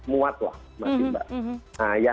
muat lah masjid mbak